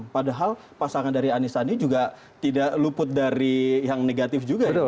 padahal pasangan dari anisandi juga tidak luput dari yang negatif juga ya